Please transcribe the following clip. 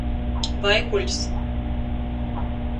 Vaikuļs.